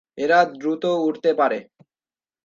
এরা দ্রুত উড়তে পারে।